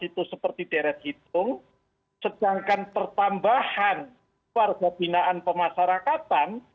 itu seperti deret hitung sedangkan pertambahan warga binaan pemasarakatan